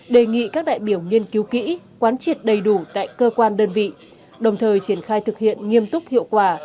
đề nghị các đại biểu nghiên cứu kỹ quán triệt đầy đủ tại cơ quan đơn vị đồng thời triển khai thực hiện nghiêm túc hiệu quả